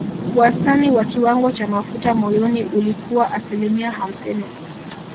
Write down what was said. Wastani wa kiwango cha mafuta moyoni ulikuwa asilimia hamsini